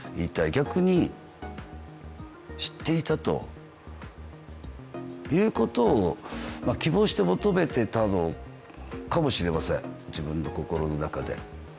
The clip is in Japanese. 逆に、知っていたということを希望して求めていたのかもしれません、自分の心の中で。